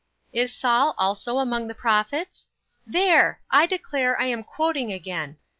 "'Is Saul also among the prophets?' There! I declare, I am quoting again.